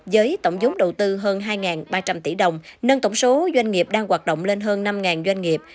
với tổng giống đầu tư hơn hai ba trăm linh tỷ đồng nâng tổng số doanh nghiệp đang hoạt động lên hơn năm doanh nghiệp